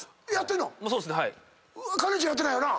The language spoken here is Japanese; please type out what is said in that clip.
かねちやってないよな？